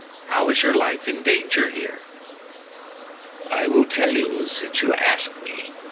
How is your life in danger here?" "I will tell you since you ask me.